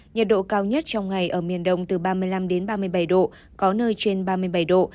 nhiệt độ cao nhất trong ngày ở miền đông từ ba mươi năm đến ba mươi bảy độ có nơi trên ba mươi bảy độ